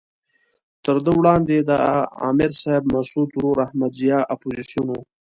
تر ده وړاندې د امر صاحب مسعود ورور احمد ضیاء اپوزیسون وو.